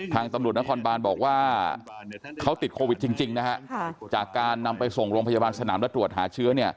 ทางตำรวจนครบานบอกว่าเขาติดโควิดจริงนะฮะจากการนำไปส่งโรงพยาบาลสนามและตรวจหาเชื้อ